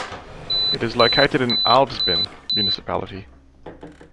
It is located in Älvsbyn Municipality.